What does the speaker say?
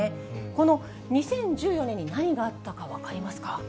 この２０１４年に何があったか分かりますか。